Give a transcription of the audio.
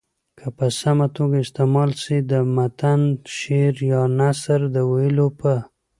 که په سمه توګه استعمال سي د متن شعر یا نثر د ویلو په